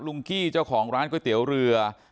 กี้เจ้าของร้านก๋วยเตี๋ยวเรือ